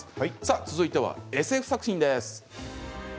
続いてＳＦ作品です。